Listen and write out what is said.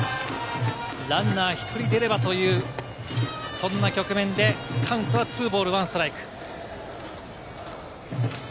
ランナー１人出ればという、そんな局面でカウントは２ボール１ストライク。